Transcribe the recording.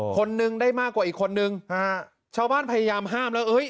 คนนึงได้มากกว่าอีกคนนึงฮะชาวบ้านพยายามห้ามแล้วเฮ้ย